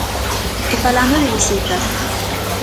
E falando de visitas.